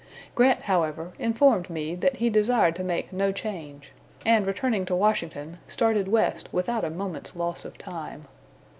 Grant, however, informed Meade that he desired to make no change; and, returning to Washington, started west without a moment's loss of time.